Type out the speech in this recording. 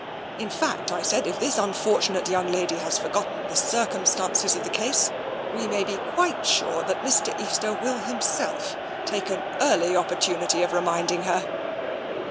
In fact, I said, if this unfor tunate young lady has forgotten the circumstances TENSION 247 of the case, we may be quite sure that Mr. Easter will himself take an early opportunity of reminding her."